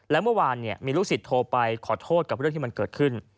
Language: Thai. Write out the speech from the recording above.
และเมื่อวานมีลูกศิษย์โทรไปขอโทษกับเรื่องที่มันเกิดขึ้น